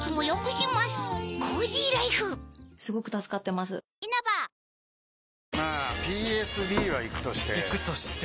まあＰＳＢはイクとしてイクとして？